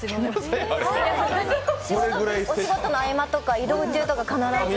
お仕事の合間とか移動中とか必ず。